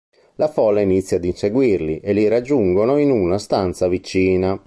La folla inizia ad inseguirli e li raggiungono in una stanza vicina.